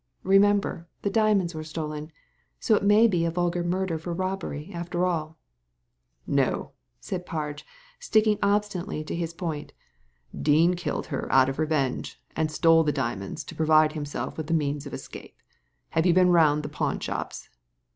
Remember, the diamonds were stolen ; so it may be a vulgar murder for robbery, after all," ••No," said Parge, sticking obstinately to his Digitized by Google COMMENTS ON THE CRIME 75 point ^Dean killed her out of revenge, and stole the diamonds to provide himself Mrith the means of escape. Have you been round the pawnshops